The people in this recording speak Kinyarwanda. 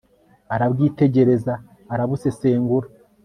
arabwitegereza, arabusesengura